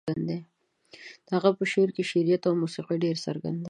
د هغه په شعر کې شعريت او موسيقي ډېر څرګند دي.